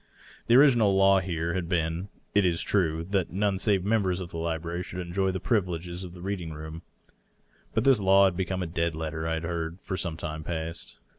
The original law here had been, it is true, that none save members of the library should enjoy the privileges of the reading room ; but this law had become a dead letter, I had heard, for some time past.